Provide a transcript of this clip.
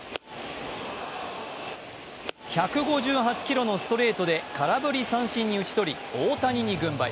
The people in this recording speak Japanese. １５８キロのストレートで空振り三振に打ち取り大谷に軍配。